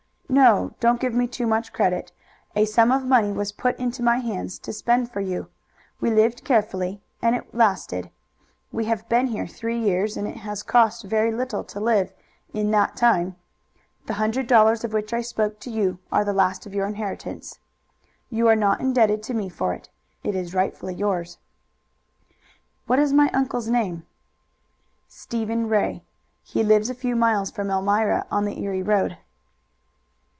"No! Don't give me too much credit. A sum of money was put into my hands to spend for you. We lived carefully, and it lasted. We have been here three years, and it has cost very little to live in that time. The hundred dollars of which I spoke to you are the last of your inheritance. You are not indebted to me for it. It is rightfully yours." "What is my uncle's name?" "Stephen Ray. He lives a few miles from Elmira on the Erie Road."